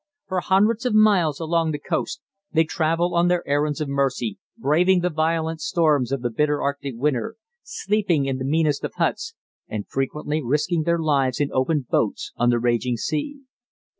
For hundreds of miles along the coast they travel on their errands of mercy, braving the violent storms of the bitter Arctic winter, sleeping in the meanest of huts, and frequently risking their lives in open boats on the raging sea.